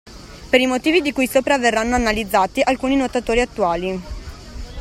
Per i motivi di cui sopra verranno analizzati alcuni nuotatori attuali.